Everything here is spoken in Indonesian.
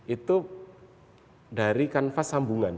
itu dari kanvas sambungan